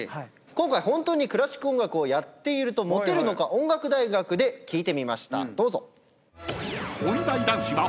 今回本当にクラシック音楽をやっているとモテるのか音楽大学で聞いてみました。